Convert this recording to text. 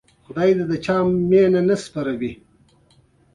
پر قیمتي ډبرو بار کښتۍ سېویل ته راتلې.